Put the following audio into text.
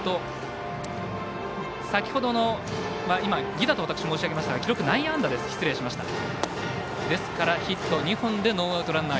先ほどの犠打と私、申し上げましたが内野安打です。